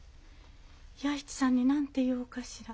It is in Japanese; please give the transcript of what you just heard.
弥市さんに何て言おうかしら？